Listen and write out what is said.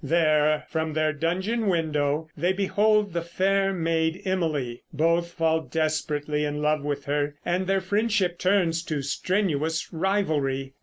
There from their dungeon window they behold the fair maid Emily; both fall desperately in love with her, and their friendship turns to strenuous rivalry.